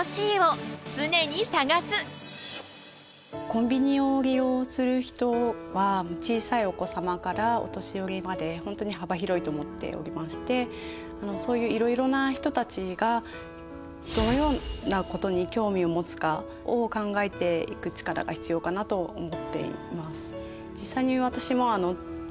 コンビニを利用する人は小さいお子様からお年寄りまで本当にはば広いと思っておりましてそういういろいろな人たちがどのようなことに興味を持つかを考えていくチカラが必要かなと思っています。